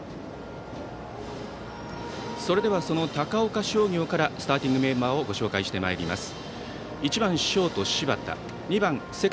それでは、高岡商業からスターティングメンバーをご紹介してまいります。